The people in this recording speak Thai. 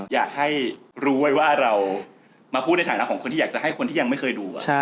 อยากให้รู้ไว้ว่าเรามาพูดในฐานะของคนที่อยากจะให้คนที่ยังไม่เคยดู